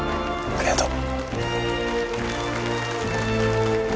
ありがとう！